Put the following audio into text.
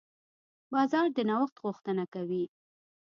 بازار د نوښت غوښتنه کوي.